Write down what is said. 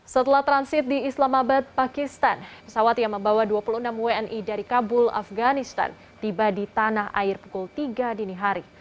setelah transit di islamabad pakistan pesawat yang membawa dua puluh enam wni dari kabul afganistan tiba di tanah air pukul tiga dini hari